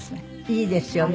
いいですよね。